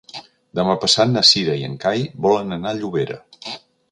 Demà passat na Cira i en Cai volen anar a Llobera.